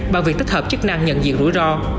bằng việc tích hợp chức năng nhận diện rủi ro